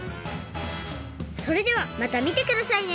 それではまたみてくださいね！